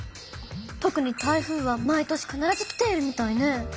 とくに台風は毎年かならず来ているみたいね。